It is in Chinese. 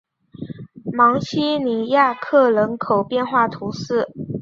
芒西尼亚克人口变化图示